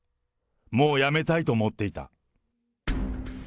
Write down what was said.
もうやめたいと思っていた。